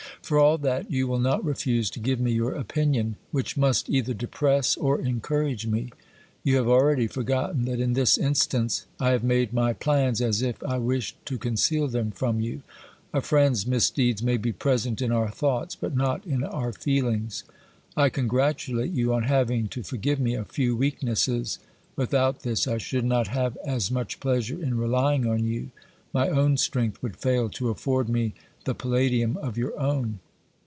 For all that, you will not refuse to give me your opinion, which must either depress or encourage me. You have already forgotten that in this instance I have made my plans as if I wished to conceal them from you ; a friend's misdeeds may be present in our thoughts but not in our feelings. I congratulate you on having to forgive me a few weaknesses ; without this I should not have as much pleasure in relying on you; my own strength would fail to afford me the palladium of your own.